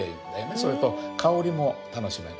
それと香りも楽しめる。